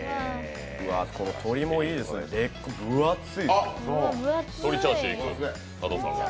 鶏もいいです、分厚いです。